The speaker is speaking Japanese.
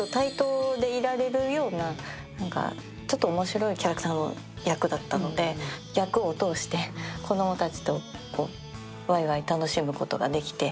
ちょっと面白いキャラクターの役だったので役を通して子供たちとわいわい楽しむことができて。